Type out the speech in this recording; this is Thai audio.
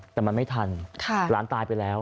แต่มันไม่ทันหลานตายไปแล้ว